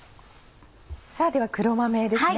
さぁでは黒豆ですね。